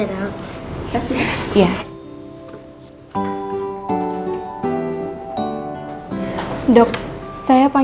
nih ke hampir ga jadi candid procs